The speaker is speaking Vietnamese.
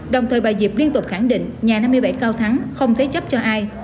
đồng thời bà diệp liên tục khẳng định nhà năm mươi bảy cao thắng không thế chấp cho ai